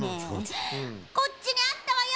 こっちにあったわよ！